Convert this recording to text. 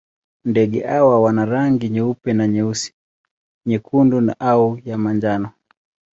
Ndege hawa wana rangi nyeupe na nyeusi, nyekundu au ya manjano.